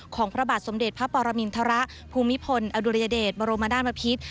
พระบาทสมเด็จพระปรมินทรมาภูมิพลอดุญเดชบรมนาศบพิษ